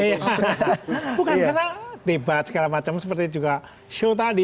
bukan karena debat segala macam seperti juga show tadi